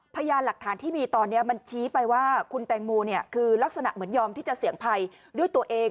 พยานหลักฐานที่มีตอนนี้มันชี้ไปว่าคุณแตงโมคือลักษณะเหมือนยอมที่จะเสี่ยงภัยด้วยตัวเอง